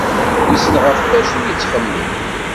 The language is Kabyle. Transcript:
Wissen ɣef wacu i yettxemmim?